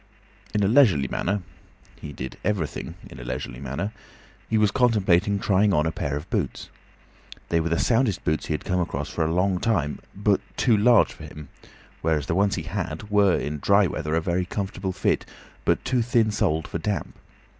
In a leisurely manner—he did everything in a leisurely manner—he was contemplating trying on a pair of boots. They were the soundest boots he had come across for a long time, but too large for him; whereas the ones he had were, in dry weather, a very comfortable fit, but too thin soled for damp.